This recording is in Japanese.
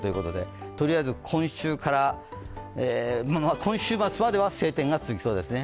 今週末までは晴天が続きそうですね。